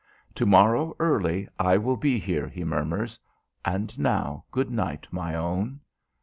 "To morrow, early, I will be here," he murmurs. "And now, good night, my own."